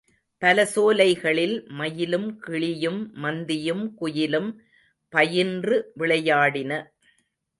பல சோலைகளில் மயிலும் கிளியும் மந்தியும் குயிலும் பயின்று விளையாடின.